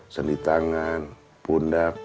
seni tangan pundak